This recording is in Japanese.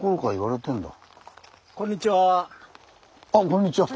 こんにちは。